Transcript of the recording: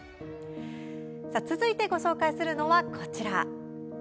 続いてご紹介するのは、こちら。